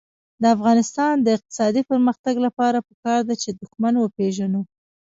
د افغانستان د اقتصادي پرمختګ لپاره پکار ده چې دښمن وپېژنو.